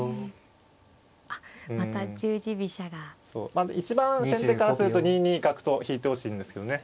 まあ一番先手からすると２二角と引いてほしいんですけどね。